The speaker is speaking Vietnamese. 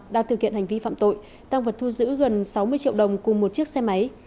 đang thực hiện hành vi phạm tội tăng vật thu giữ gần sáu mươi triệu đồng cùng một chiếc xe máy